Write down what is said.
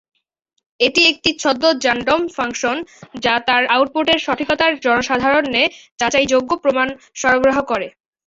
এটি একটি ছদ্ম-র্যান্ডম ফাংশন যা তার আউটপুটের সঠিকতার জনসাধারণ্যে যাচাইযোগ্য প্রমাণ সরবরাহ করে।